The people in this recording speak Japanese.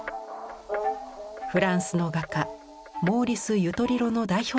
フランスの画家モーリス・ユトリロの代表作です。